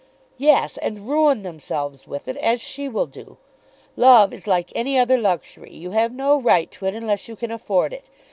"Yes; and ruin themselves with it, as she will do. Love is like any other luxury. You have no right to it unless you can afford it.